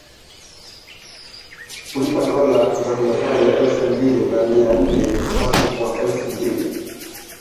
kulipa dola za Kimarekani elfu mbili na mia nne Machi mwaka elfu mbili